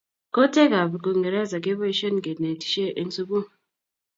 koteekab kingereza keboishen kenetishe en sukul